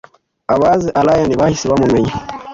abazi allayne bahise bamumenya